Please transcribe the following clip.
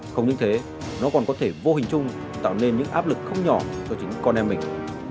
không những thế nó còn có thể vô hình chung tạo nên những áp lực không nhỏ cho chính con em mình